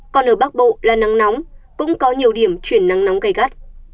còn ở bắc bộ là nắng nóng cũng có nhiều điểm chuyển nắng nóng gây gắt